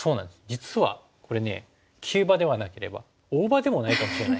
実はこれ急場でなければ大場でもないかもしれない。